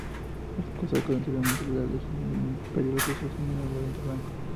Los cosacos, anteriormente leales al Imperio ruso, se unieron al movimiento Blanco.